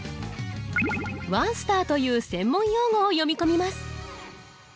ワンスターという専門用語を詠み込みます